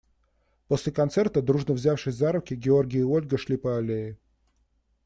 После концерта, дружно взявшись за руки, Георгий и Ольга шли по аллее.